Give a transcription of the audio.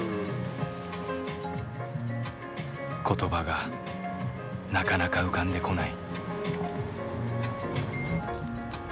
言葉がなかなか浮かんでこない。